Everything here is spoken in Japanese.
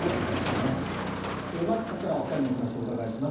まず、ここからはお二人にお話をお伺いします。